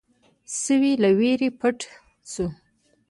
سوی له وېرې پټ شو.